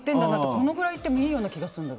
このくらいいってもいいような気がする。